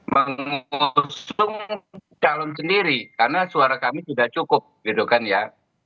mengusung calon sendiri karena suara kami tidak cukup gitu kan ya